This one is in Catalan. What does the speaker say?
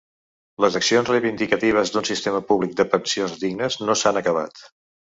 Les accions reivindicatives d’un sistema públic de pensions dignes no s’han acabat.